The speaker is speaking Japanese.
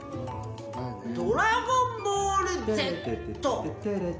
「ドラゴンボールＺ」。